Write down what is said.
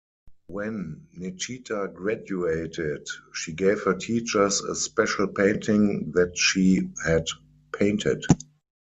When Nechita graduated, she gave her teachers a special painting that she had painted.